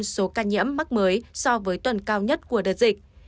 năm mươi số ca nhiễm mắc mới so với tuần cao nhất của đợt dịch